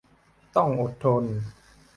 ต้องอดทน